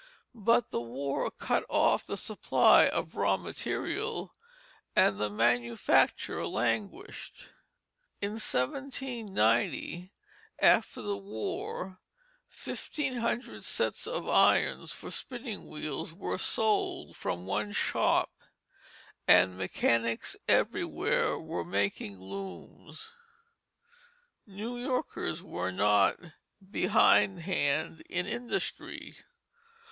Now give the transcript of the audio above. But the war cut off the supply of raw material, and the manufacture languished. In 1790, after the war, fifteen hundred sets of irons for spinning wheels were sold from one shop, and mechanics everywhere were making looms. New Yorkers were not behindhand in industry.